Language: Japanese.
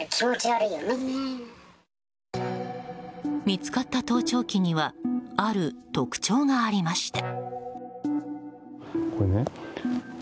見つかった盗聴器にはある特徴がありました。